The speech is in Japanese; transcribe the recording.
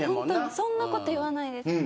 そんなこと言わないです。